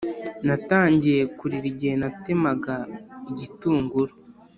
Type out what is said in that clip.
natangiye kurira igihe natemaga igitunguru.